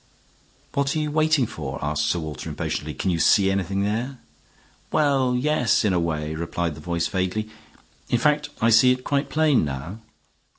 "What are you waiting for?" asked Sir Walter, impatiently. "Can you see anything there?" "Well, yes, in a way," replied the voice, vaguely. "In fact, I see it quite plain now."